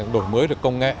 đổi mới được công nghệ